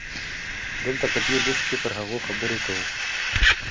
دلته په دې لوست کې پر هغو خبرې کوو.